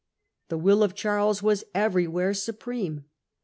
The ^1^ will of Charles was everywhere supreme.